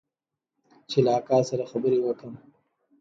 چې له اکا سره خبرې وکم.